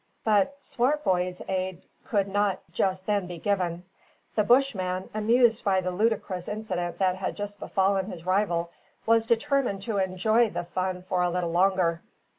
But Swartboy's aid could not just then be given. The Bushman, amused by the ludicrous incident that had befallen his rival, was determined to enjoy the fun for a little longer.